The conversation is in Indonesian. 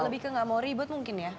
lebih ke gak mau ribet mungkin ya